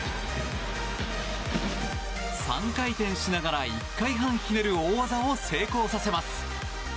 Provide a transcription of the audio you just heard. ３回転しながら１回半ひねる大技を成功させます。